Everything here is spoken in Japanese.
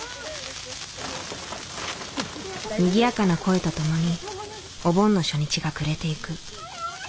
にぎやかな声と共にお盆の初日が暮れていく。